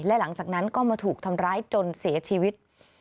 และหลังจากนั้นก็มาถูกทำร้ายจนเสียชีวิต